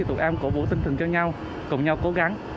tụi em cổ vũ tinh thần cho nhau cùng nhau cố gắng